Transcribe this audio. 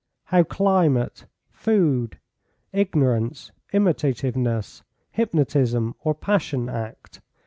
How climate, food, ignorance, imitativeness, hypnotism, or passion act.